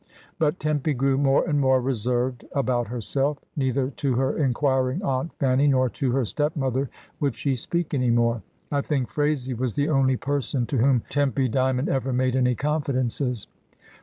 But Tempy grew more and more reserved about herself; neither to her inquiring Aunt Fanny nor to her stepmother would she speak any more. I think Phraisie was the only person to whom Tempy Dymond ever made any confidences.